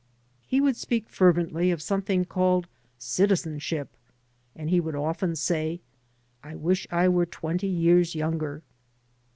He would speak fervently of something called " citizenship," and he would say often, " I wish I were twenty years younger."